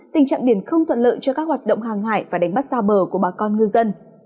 tình trạng biển không thuận lợi cho các hoạt động hàng hải và đánh bắt xa bờ của bà con ngư dân